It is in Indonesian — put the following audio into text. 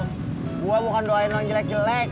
gua bukan doain lu yang jelek jelek